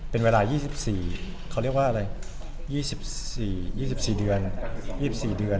เป็นเวลายี่สิบสี่เขาเรียกว่าอะไรยี่สิบสี่ยี่สิบสี่เดือนยี่สิบสี่เดือน